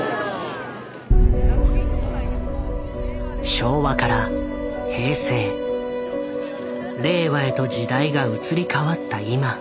昭和から平成令和へと時代が移り変わった今。